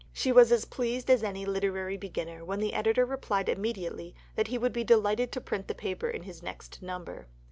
She was as pleased as any literary beginner when the editor replied immediately that he would be delighted to print the paper in his next number.